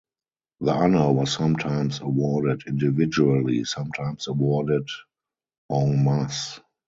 The honor was sometimes awarded individually, sometimes awarded "en masse".